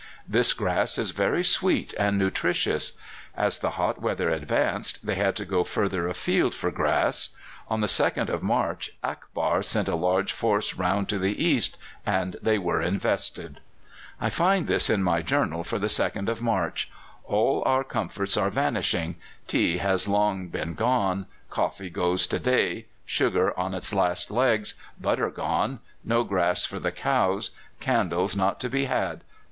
This grass is very sweet and nutritious. As the hot weather advanced they had to go further afield for grass. On the 2nd of March Akbar sent a large force round to the east, and they were invested. "I find this in my journal for the 2nd of March: 'All our comforts are vanishing. Tea has long been gone; coffee goes to day; sugar on its last legs; butter gone; no grass for the cows; candles not to be had.